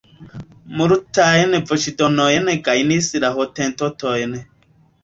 Multajn voĉdonojn gajnis la hotentotoj.